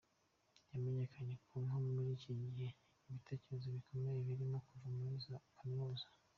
Yabamenyesheje ko muri iki gihe ibitekerezo bikomeye birimo kuva muri za kaminuza.